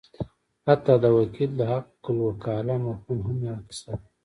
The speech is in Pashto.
حتی د وکیل د حقالوکاله مفهوم هم یوه کیسه ده.